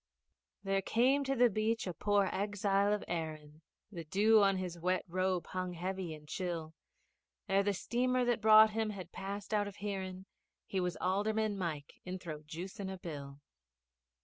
There came to the beach a poor exile of Erin, The dew on his wet robe hung heavy and chill; Ere the steamer that brought him had passed out of hearin', He was Alderman Mike inthrojuicing' a bill!